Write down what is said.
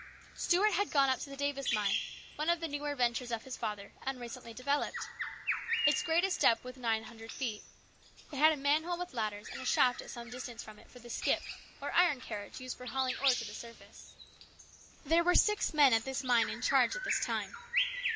Stuart had gone up to the Davis mine, one of the 64 HIS BROTHER'S KEEPER. newer ventures of his father, and recently developed. Its greatest depth was nine hundred feet. It had a manhole with ladders and a shaft at some distance from it for the "skip" or iron carriage used for hauling ore to the surface. There were six men at this mine in charge at this time.